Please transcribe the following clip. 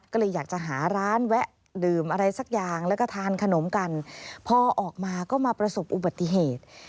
ก็เลยอยากจะหาร้านแวะดื่มอะไรสักอย่างแล้วก็ทานขนมกันพอออกมาก็มาประสบอุบัติเหตุ